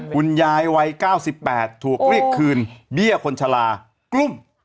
คุณยายวัย๙๘ถูกเรียกคืนเบี้ยคนชะลากลุ้ม